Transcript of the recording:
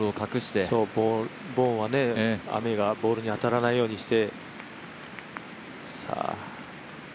ボーンズはね、雨がボールに当たらないようにして。